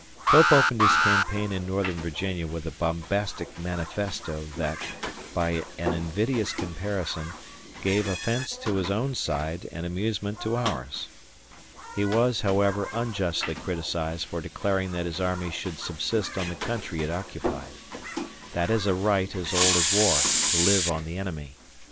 Pope opened his campaign in northern Virginia with a bombastic manifesto that, by an invidious comparison, gave offense to his own side and amusement to ours. He was, however, unjustly criticised for declaring that his army should subsist on the country it occupied. That is a right as old as war to live on the enemy.